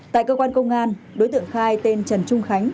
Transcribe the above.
tại cơ quan công an đối tượng khai tên trần trung khánh